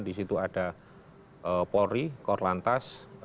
di situ ada polri kor lantas